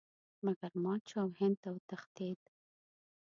مګر مات شو او هند ته وتښتېد.